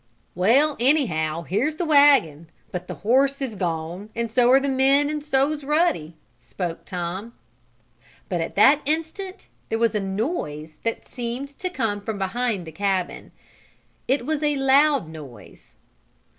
"Well, anyhow here's the wagon, but the horse is gone and so are the men and so's Ruddy!" spoke Tom. But at that instant there was a noise that seemed to come from behind the cabin. It was a loud noise.